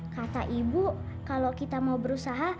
kata ibu kalau kita mau berusaha